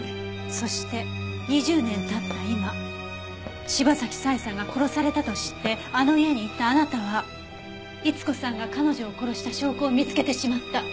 そして２０年経った今柴崎佐江さんが殺されたと知ってあの家に行ったあなたは逸子さんが彼女を殺した証拠を見つけてしまった。